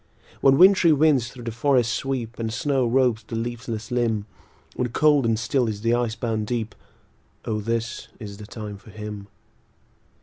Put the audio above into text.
When wintry winds thro' the forests sweep, And snow robes the leafless limb; When cold and still is the ice bound deep, O this is the time for him.